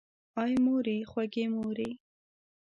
آی مورې خوږې مورې!